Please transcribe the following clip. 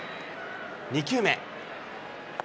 ２球目。